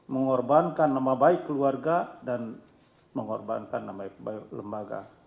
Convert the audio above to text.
mengorbankan nama baik keluarga dan mengorbankan nama baik lembaga